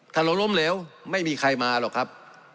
ถ้าเราล้มเหลวไม่มีใครมาหรอกครับ